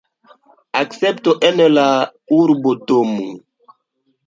Akcepto en la urbodomo.